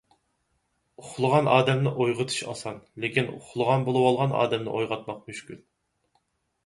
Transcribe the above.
ئۇخلىغان ئادەمنى ئويغىتىش ئاسان، لېكىن ئۇخلىغان بولۇۋالغان ئادەمنى ئويغاتماق مۈشكۈل.